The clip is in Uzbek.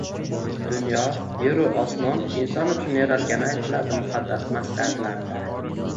Dunyo – yer-u osmon Inson uchun yaralgani aytiladi muqaddas masdarlarda.